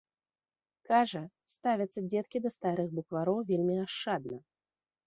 Кажа, ставяцца дзеткі да старых буквароў вельмі ашчадна.